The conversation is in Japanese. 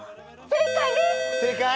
正解です！